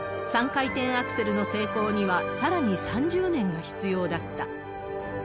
３回転アクセルの成功にはさらに３０年が必要だった。